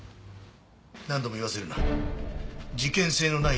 何度も言わせるな。